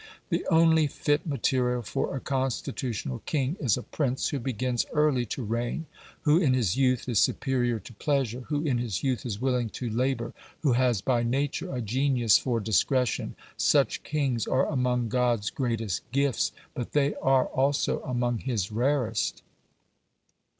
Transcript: The only fit material for a constitutional king is a prince who begins early to reign who in his youth is superior to pleasure who in his youth is willing to labour who has by nature a genius for discretion. Such kings are among God's greatest gifts, but they are also among His rarest.